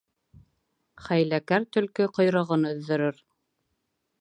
Хәйләкәр төлкө ҡойроғон өҙҙөрөр.